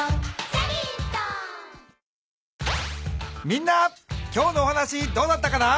みんな今日のお話どうだったかな？